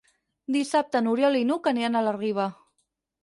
Dissabte n'Oriol i n'Hug aniran a la Riba.